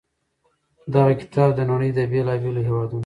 دغه کتاب د نړۍ د بېلا بېلو هېوادونو